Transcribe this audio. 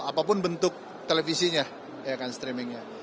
apapun bentuk televisinya ya kan streamingnya